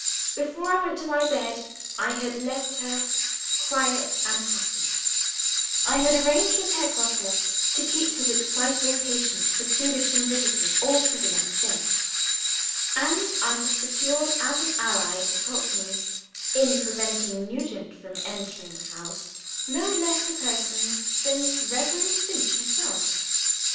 Before I went to my bed, I had left her quiet and happy; I had arranged with Herr Grosse that he was still to keep his excitable patient secluded from visitors all through the next day; and I had secured as an ally to help me in preventing Nugent from entering the house, no less a person than Reverend Finch himself.